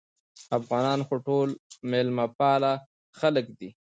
افغانان خو ټول مېلمه پاله خلک دي